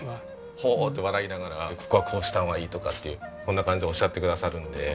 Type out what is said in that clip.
ほーっと笑いながらここはこうした方がいいとかってこんな感じでおっしゃってくださるんで。